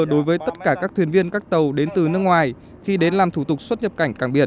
đối với tất cả các thuyền viên các tàu đến từ nước ngoài khi đến làm thủ tục xuất nhập cảnh càng biển